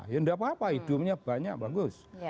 ya tidak apa apa idumnya banyak bagus